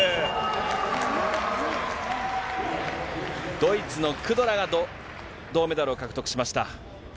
ドイツのクドラが銅メダルを獲得しました。